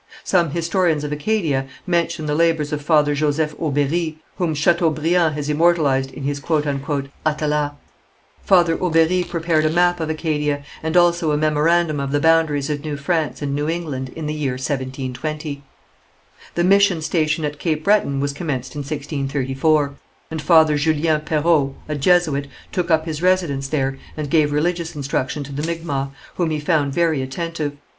Some historians of Acadia mention the labours of Father Joseph Aubéri, whom Chateaubriand has immortalized in his "Atala." Father Aubéri prepared a map of Acadia, and also a memorandum of the boundaries of New France and New England in the year 1720. The mission station at Cape Breton was commenced in 1634, and Father Julian Perrault, a Jesuit, took up his residence there and gave religious instruction to the Micmacs, whom he found very attentive.